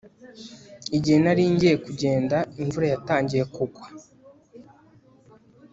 Igihe nari ngiye kugenda imvura yatangiye kugwa